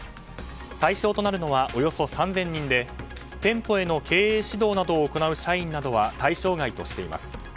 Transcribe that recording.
対象となるのはおよそ３０００人で店舗への経営指導を行う社員などは対象外としています。